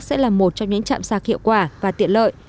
sẽ là một trong những chạm sạc hiệu quả và tiện lợi